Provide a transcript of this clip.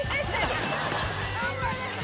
頑張れ！